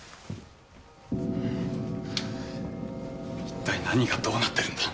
一体何がどうなってるんだ！